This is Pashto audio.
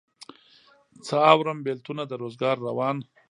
څه اورم بېلتونه د روزګار روان